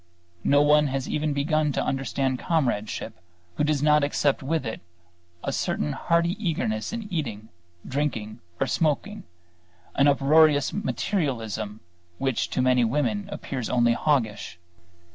No one has even begun to understand comradeship who does not accept with it a certain hearty eagerness in eating, drinking, or smoking, an uproarious materialism which to many women appears only hoggish.